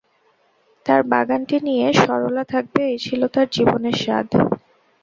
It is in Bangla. তাঁর বাগানটি নিয়ে সরলা থাকবে এই ছিল তাঁঁর জীবনের সাধ।